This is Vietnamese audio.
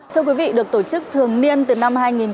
thưa quý vị được tổ chức thường niên từ năm hai nghìn chín